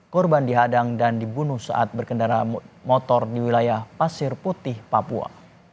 korban dihadang dan dibunuh saat berkendara motor di wilayah pasir putih papua